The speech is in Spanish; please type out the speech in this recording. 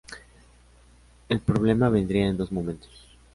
El problema vendría en dos momentos.